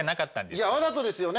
いやわざとですよね？